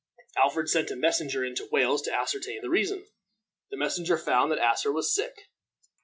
Alfred sent a messenger into Wales to ascertain the reason. The messenger found that Asser was sick.